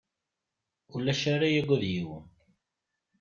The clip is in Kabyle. Ulac ara yagad yiwen.